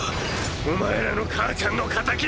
お前らの母ちゃんの仇を！！